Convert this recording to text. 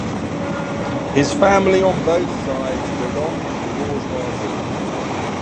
His family, on both sides, belonged to the "bourgeoisie".